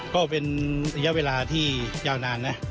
ก็เป็นเวลาที่ยาวนาน